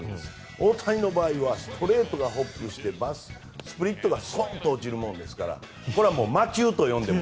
大谷の場合はストレートがホップしてスプリットがストンと落ちるのでそれが魔球と言われている。